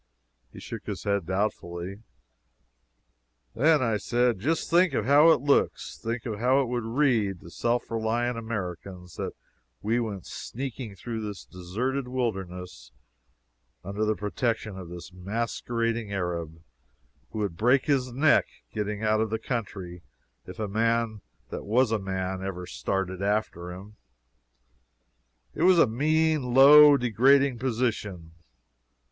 He shook his head doubtfully. Then I said, just think of how it looks think of how it would read, to self reliant Americans, that we went sneaking through this deserted wilderness under the protection of this masquerading Arab, who would break his neck getting out of the country if a man that was a man ever started after him. It was a mean, low, degrading position.